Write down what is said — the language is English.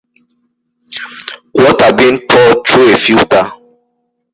Water being poured through a filter